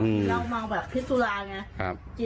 เลาะออกมาแบบพิษทุราไงครับครับ